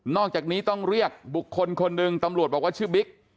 อกจากนี้ต้องเรียกบุคคลคนหนึ่งตำรวจบอกว่าชื่อบิ๊ก